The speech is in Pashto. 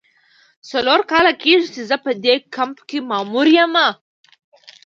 څلور کاله کیږي چې زه په دې کمپ کې ماموره یم.